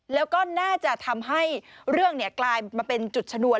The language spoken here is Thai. แล้วก็น่าจะทำให้เรื่องกลายมาเป็นจุดชนวน